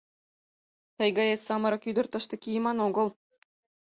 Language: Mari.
Тый гает самырык ӱдыр тыште кийыман огыл.